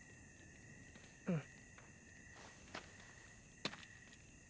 うん。